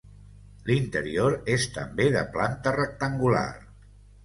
L'interior és també de planta rectangular.